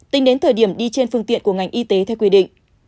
tính đến thời điểm đi trên phương tiện của ngành y tế theo quy định